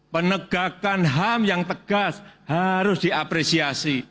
penegakan ham yang tegas harus diapresiasi